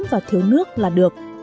và thiếu nước là được